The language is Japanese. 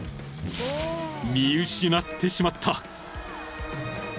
［見失ってしまった］